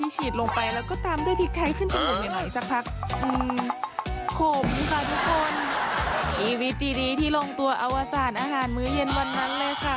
ชีวิตดีที่ลงตัวอวสารอาหารมื้อเย็นวันนั้นเลยค่ะ